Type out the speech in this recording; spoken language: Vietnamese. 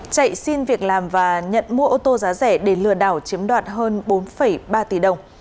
chạy xin việc làm và nhận mua ô tô giá rẻ để lừa đảo chiếm đoạt hơn bốn ba tỷ đồng